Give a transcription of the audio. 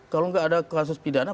kalau nggak ada kasus pidana